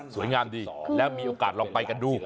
สวยงามดีแล้วมีโอกาสลองไปกันดู